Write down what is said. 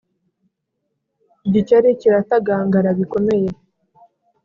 igikeri kiratagangara bikomeye